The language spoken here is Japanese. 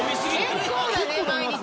結構だね毎日。